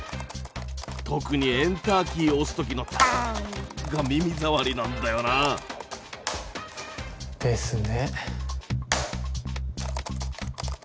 特にエンターキー押す時の「ターン！」が耳障りなんだよな。ですね。